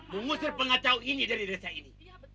mengusir pengacau ini dari desa ini